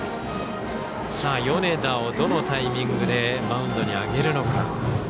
米田をどのタイミングでマウンドに上げるのか。